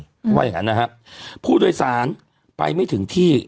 เพราะว่าอย่างงั้นนะฮะผู้โดยสารไปไม่ถึงที่